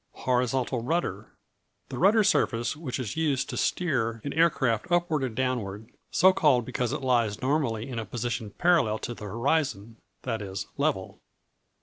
Horizontal Rudder The rudder surface which is used to steer an aircraft upward or downward: so called because it lies normally in a position parallel to the horizon; that is, level.